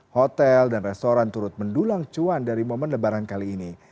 hotel dan restoran turut mendulang cuan dari momen lebaran kali ini